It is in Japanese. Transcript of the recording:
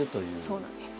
そうなんです。